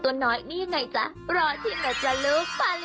อิ่นนี้เหยียบนิดเดียวเท่านั้นแหละค่ะ